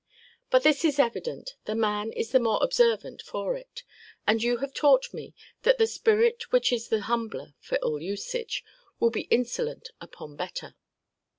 But this is evident, the man is the more observant for it; and you have taught me, that the spirit which is the humbler for ill usage, will be insolent upon better.